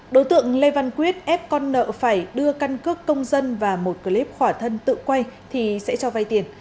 đối tượng lê văn quyết ép con nợ phải đưa căn cước công dân và một clip khỏa thân tự quay thì sẽ cho vay tiền